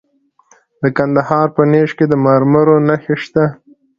د کندهار په نیش کې د مرمرو نښې شته.